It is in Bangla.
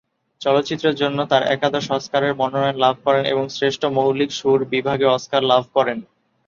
চলচ্চিত্রের জন্য তার একাদশ অস্কারের মনোনয়ন লাভ করেন এবং শ্রেষ্ঠ মৌলিক সুর বিভাগে অস্কার লাভ করেন।